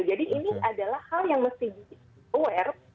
jadi ini adalah hal yang mesti di aware